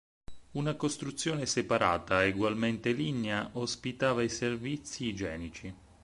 Una costruzione separata, egualmente lignea, ospitava i servizi igienici.